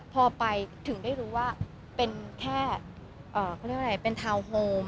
พอไปถึงได้รู้ว่าเป็นแค่เขาเรียกว่าอะไร